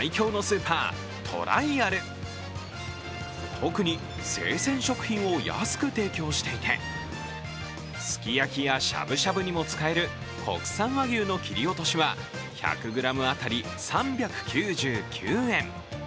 特に生鮮食品を安く提供していてすき焼きやしゃぶしゃぶにも使える国産和牛の切り落としは１００ｇ当たり３９９円。